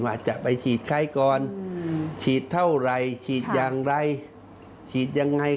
ว่าจะไปฉีดใครก่อนฉีดเท่าไหร่ฉีดอย่างไรฉีดยังไง